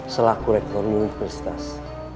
selaku rektor universitas